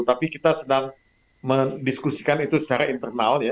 tapi kita sedang mendiskusikan itu secara internal ya